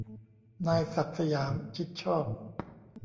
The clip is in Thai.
นายศักดิ์สยาม ชิดชอบ